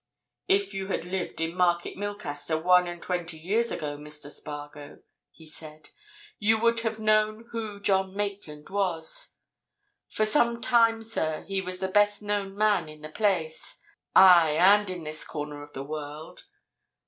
"If you had lived in Market Milcaster one and twenty years ago, Mr. Spargo," he said, "you would have known who John Maitland was. For some time, sir, he was the best known man in the place—aye, and in this corner of the world.